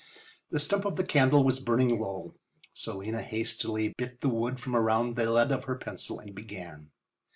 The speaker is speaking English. The stump of the candle was burning low, so Lena hastily bit the wood from around the lead of her pencil and began.